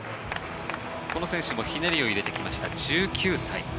この選手もひねりを入れてきました１９歳。